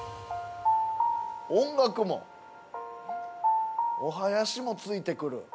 音楽も、お囃子もついてくる。